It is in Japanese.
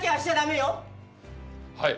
はい。